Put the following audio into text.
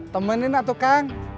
temenin atuh kang